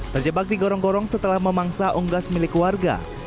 terjebak di gorong gorong setelah memangsa unggas milik warga